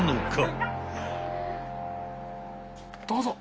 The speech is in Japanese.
どうぞ。